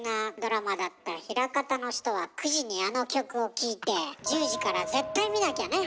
そんな枚方の人は９時にあの曲を聴いて１０時から絶対見なきゃね！